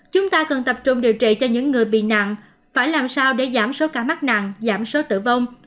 chúng ta cần tập trung điều trị cho những người bị nạn phải làm sao để giảm số ca mắc nạn giảm số tử vong